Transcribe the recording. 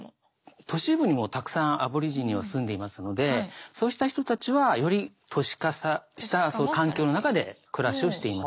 都市部にもたくさんアボリジニは住んでいますのでそうした人たちはより都市化した環境の中で暮らしをしています。